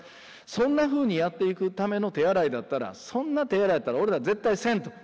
そんなふうにやっていくための手洗いだったらそんな手洗いやったら俺ら絶対せんと。